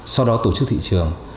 sau đó tổ chức thị trường